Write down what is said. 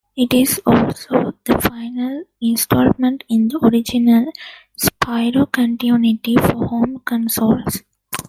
It is also the final installment in the original Spyro continuity for home consoles.